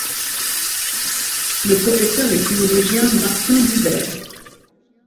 Le professeur et théologien Martin Buber.